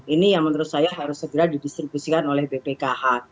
ini yang menurut saya harus segera didistribusikan oleh bpkh